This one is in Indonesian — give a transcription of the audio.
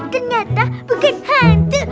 ternyata bukan hantu